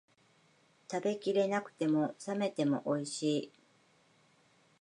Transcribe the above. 食べきれなくても、冷めてもおいしい